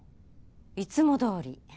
いつもどおり。